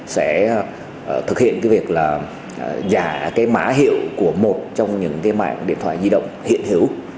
sẽ thực hiện việc giả má hiệu của một trong những mạng điện thoại di động hiện hữu